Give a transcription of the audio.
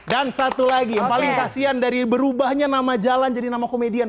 dan satu lagi yang paling kasihan dari berubahnya nama jalan jadi nama komedian